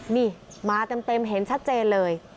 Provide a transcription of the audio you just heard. นี่มาเต็มเห็นชัดเจนเลย